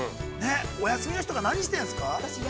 お休みの日とか、何してるんですか。